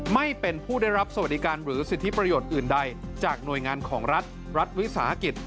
ไม่เป็นผู้ได้รับสวัสดิการหรือสิทธิประโยชน์อื่นใดจากหน่วยงานของรัฐรัฐวิสาหกิจ